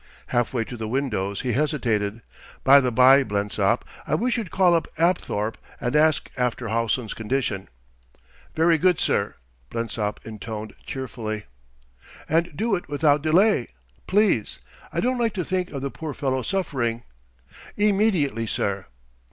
Half way to the windows he hesitated. "By the bye, Blensop, I wish you'd call up Apthorp and ask after Howson's condition." "Very good, sir," Blensop intoned cheerfully. "And do it without delay, please. I don't like to think of the poor fellow suffering." "Immediately, sir."